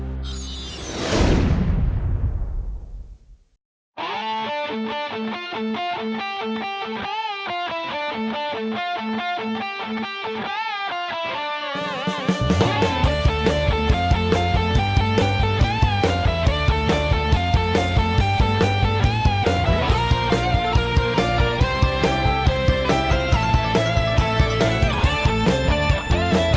เพลงที่๙ครับ